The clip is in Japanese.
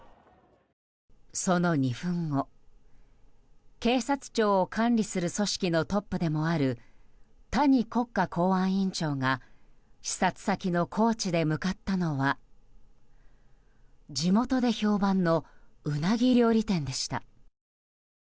その２分後、警察庁を管理する組織のトップでもある谷国家公安委員長が視察先の高知で向かったのは地元で評判のウナギ料理店でした。